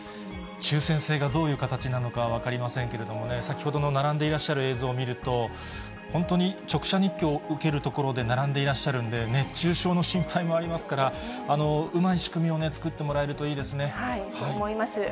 抽せん制がどういう形なのかは分かりませんけれどもね、先ほどの並んでいらっしゃる映像を見ると、本当に直射日光を受ける所で並んでいらっしゃるんで、熱中症の心配もありますから、うまい仕組みを作ってもらえるとそう思います。